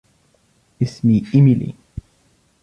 إسمي إيميلي.